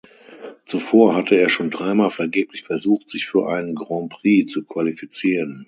Zuvor hatte er schon dreimal vergeblich versucht, sich für einen Grand Prix zu qualifizieren.